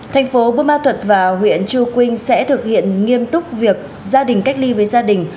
thành phố bô ma thuật và huyện chư quynh sẽ thực hiện nghiêm túc việc gia đình cách ly với gia đình